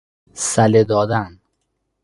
صله دادن